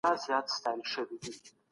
حقيقي عايد د پرمختګ معيار ګڼل کيږي.